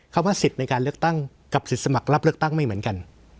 ว่าสิทธิ์ในการเลือกตั้งกับสิทธิ์สมัครรับเลือกตั้งไม่เหมือนกัน